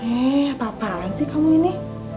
eh apa apaan sih kamu ini